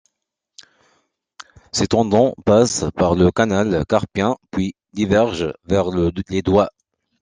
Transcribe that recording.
Ces tendons passent par le canal carpien puis divergent vers les doigts.